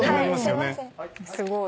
すごい。